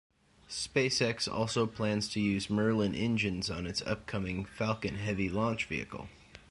SpaceX also plans to use Merlin engines on its upcoming Falcon Heavy launch vehicle.